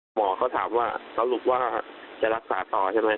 หมอเขาถามว่าสรุปว่าจะรักษาต่อใช่ไหม